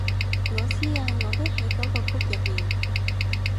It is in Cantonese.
我知啊我都喺嗰個谷入面